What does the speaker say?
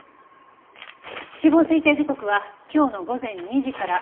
死亡推定時刻は今日の午前２時から６時の間です。